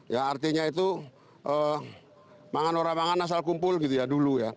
ya artinya itu pangan orang asal kumpul gitu ya dulu ya